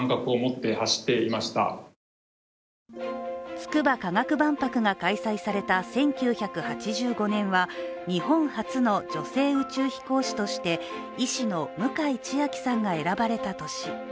つくば科学万博が開催された１９８５年は日本初の女性宇宙飛行士として医師の向井千秋さんが選ばれた年。